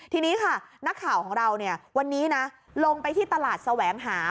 ทีนี้ค่ะนักข่าวของเราวันนี้นะลงไปที่ตลาดแสวงหา